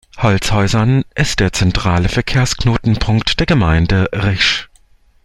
Holzhäusern ist der zentrale Verkehrsknotenpunkt der Gemeinde Risch.